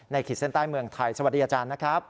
ขีดเส้นใต้เมืองไทยสวัสดีอาจารย์นะครับ